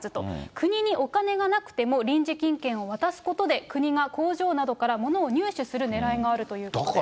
国にお金がなくても臨時金券を渡すことで、国が工場などからものを入手するねらいがあるということです。